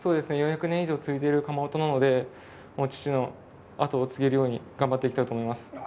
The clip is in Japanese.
４００年以上続いてる窯元なので、父の跡を継げるように頑張っていきたいと思います。